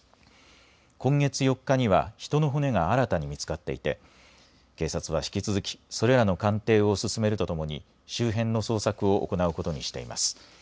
今月４日には人の骨が新たに見つかっていて警察は引き続きそれらの鑑定を進めるとともに周辺の捜索を行うことにしています。